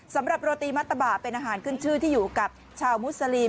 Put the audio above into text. โรตีมัตตะบะเป็นอาหารขึ้นชื่อที่อยู่กับชาวมุสลิม